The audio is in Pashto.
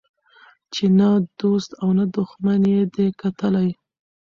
چي نه دو ست او نه دښمن یې دی کتلی